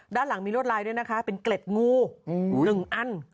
ด้านหลังมีรวดลายด้วยนะคะเป็นเกล็ดงู๑อัน